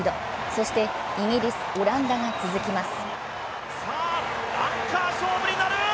そしてイギリス、オランダが続きます。